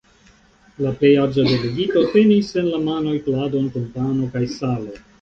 La plej aĝa delegito tenis en la manoj pladon kun pano kaj salo.